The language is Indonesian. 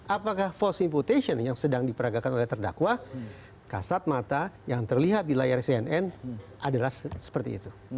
apakah false imputation yang sedang diperagakan oleh terdakwa kasat mata yang terlihat di layar cnn adalah seperti itu